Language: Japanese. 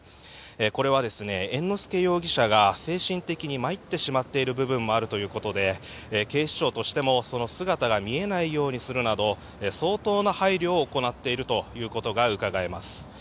これは猿之助容疑者が精神的に参ってしまっている部分もあるということで警視庁としてもその姿が見えないようにするなど相当な配慮を行っているということがうかがえます。